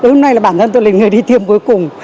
hôm nay là bản thân tôi lấy người đi tiêm cuối cùng